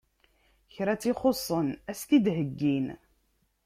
Kra tt-ixuṣṣen ad as-t-id-heggin.